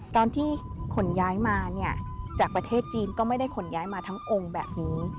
ตอนที่ขนย้ายมาเนี่ยจากประเทศจีนก็ไม่ได้ขนย้ายมาทั้งองค์แบบนี้